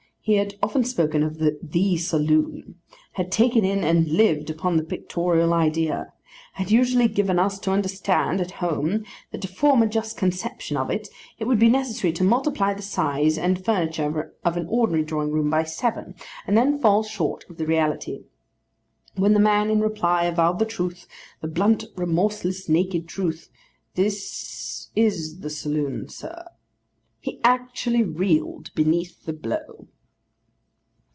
He had often spoken of the saloon; had taken in and lived upon the pictorial idea; had usually given us to understand, at home, that to form a just conception of it, it would be necessary to multiply the size and furniture of an ordinary drawing room by seven, and then fall short of the reality. When the man in reply avowed the truth; the blunt, remorseless, naked truth; 'This is the saloon, sir'—he actually reeled beneath the blow.